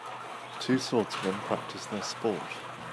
Two swordsmen practice their sport.